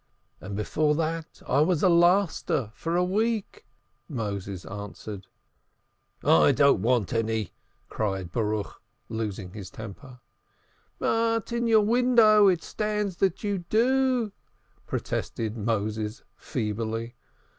"And before that I was a laster for a week," Moses answered. "I don't want any!" cried Baruch, losing his temper. "But in your window it stands that you do," protested Moses feebly.